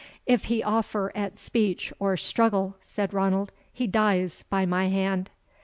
"If he offer at speech or struggle," said Ranald, "he dies by my hand."